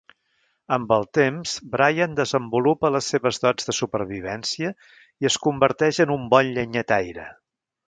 Amb el temps, Brian desenvolupa les seves dots de supervivència i es converteix en un bon llenyataire.